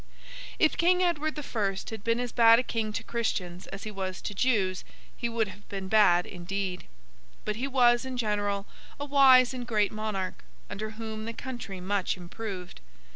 If King Edward the First had been as bad a king to Christians as he was to Jews, he would have been bad indeed. But he was, in general, a wise and great monarch, under whom the country much improved.